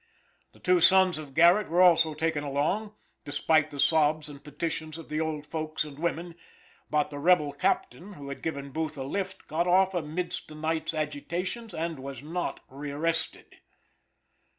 The two sons of Garrett were also taken along, despite the sobs and petitions of the old folks and women, but the rebel captain who had given Booth a lift, got off amidst the night's agitations, and was not rearrested.